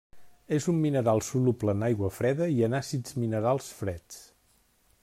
És un mineral soluble en aigua freda i en àcids minerals freds.